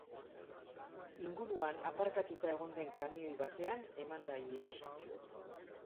Inguruan aparkatuta egon den kamioi batean eman da ihesa.